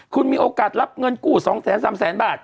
คุณมีโอกาสรับเงินกู้สองแสนสามแสนบาท